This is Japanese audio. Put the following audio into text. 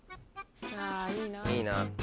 いいな。